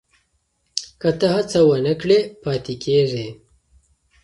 که ته هڅه ونه کړې پاتې کېږې.